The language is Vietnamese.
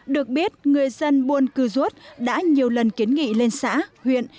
được biết người dân buôn cư rút đã nhiều lần kiến nghị lên xã huyện